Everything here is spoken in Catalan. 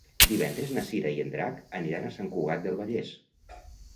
Divendres na Cira i en Drac aniran a Sant Cugat del Vallès.